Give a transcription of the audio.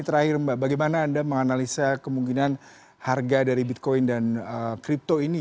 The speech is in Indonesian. terakhir mbak bagaimana anda menganalisa kemungkinan harga dari bitcoin dan crypto ini